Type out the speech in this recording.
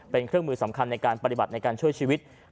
เป็นเครื่องมือสำคัญในการปฏิบัติในการช่วยชีวิต